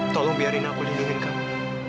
tolong biarin aku lindungi kamu